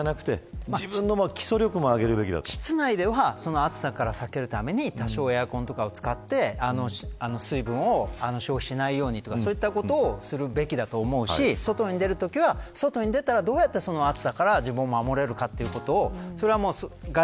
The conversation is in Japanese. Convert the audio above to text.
エアコンとかという機械の力を借りるだけじゃなくて室内では暑さから避けるために多少エアコンとかを使って水分を消費しないようにとかそういったことするべきだと思うし外に出るときは外に出たらどうやって暑さから自分を守れるかということ。